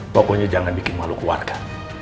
pokoknya jangan bikin malu keluarga